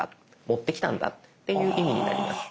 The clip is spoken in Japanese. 持ってきたんだっていう意味になります。